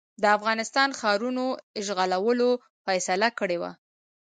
د افغانستان ښارونو اشغالولو فیصله کړې وه.